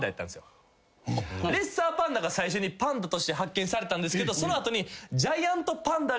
レッサーパンダが最初にパンダとして発見されたんですけどその後に。